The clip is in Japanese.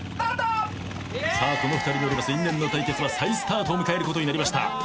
さあこの２人による因縁の対決は再スタートを迎えることになりました。